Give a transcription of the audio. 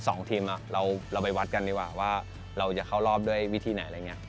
สองทีมเราไปวัดกันดีกว่าว่าเราจะเข้ารอบด้วยวิธีไหนอะไรอย่างนี้